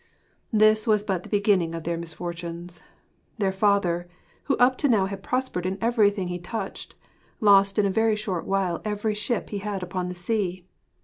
This was but the beginning of their misfortunes. Their father, who up to now had prospered in everything he touched, lost in a very short while every ship he had upon the sea.